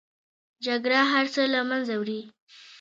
جګړه هر څه له منځه وړي